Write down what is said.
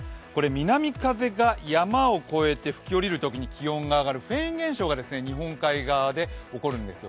南風が山を越えて吹き降りるときに気温が上がるフェーン現象が日本海側で起こるんですよ。